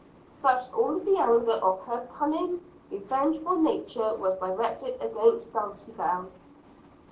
Thus all the anger of her cunning, revengeful nature was directed against Dulcibel.